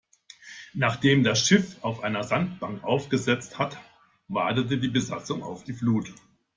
Nachdem das Schiff auf einer Sandbank aufgesetzt hat, wartet die Besatzung auf die Flut.